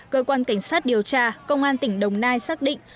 cơ quan cảnh sát điều tra công an tỉnh đồng nai xác định